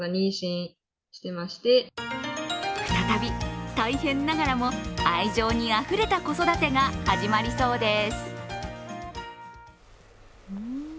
再び対辺ながらも、愛情にあふれた子育てが始まりそうです。